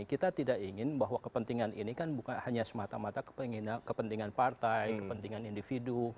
kita tidak ingin bahwa kepentingan ini kan bukan hanya semata mata kepentingan partai kepentingan individu